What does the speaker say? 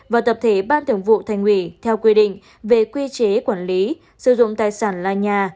và tập thể ban thường vụ thành ủy theo quy định về quy chế quản lý sử dụng tài sản là nhà